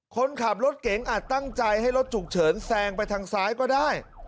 คนขับรถเก๋งอาจตั้งใจให้รถฉุกเฉินแซงไปทางซ้ายก็ได้